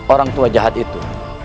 orang tua jahat itu